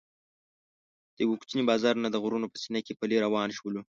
د یوه کوچني بازار نه د غرونو په سینه کې پلی روان شولو.